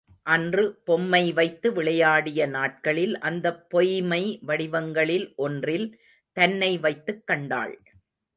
அன்று பொம்மை வைத்து விளையாடிய நாட்களில் அந்தப் பொய்மை வடிவங்களில் ஒன்றில் தன்னை வைத்துக் கண்டாள்.